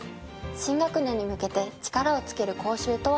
新学年に向けて力をつける講習とは？